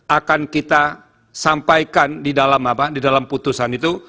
akan kita sampaikan di dalam putusan itu